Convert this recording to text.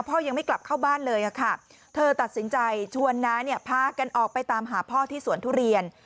พ่อยังไม่กลับเข้าบ้านเลยค่ะเธอตัดสินใจชวนน้าเนี่ยพากันออกไปตามหาพ่อที่สวนทุเรียน